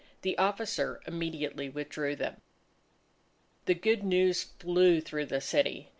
The officer immediately withdrew them. The good news flew through the city.